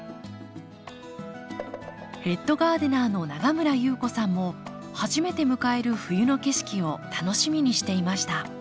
ヘッドガーデナーの永村裕子さんも初めて迎える冬の景色を楽しみにしていました